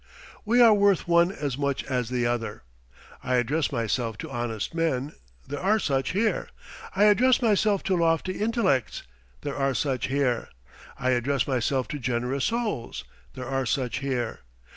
We are worth one as much as the other. I address myself to honest men; there are such here. I address myself to lofty intellects; there are such here. I address myself to generous souls; there are such here.